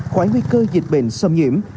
khỏi nguy cơ dịch bệnh xâm nhiễm